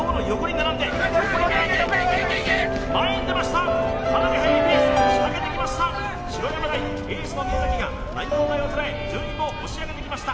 かなり速いペースで仕掛けてきました白山大エースの宮崎が南葉大を捉え順位も押し上げてきました